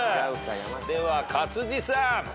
では勝地さん。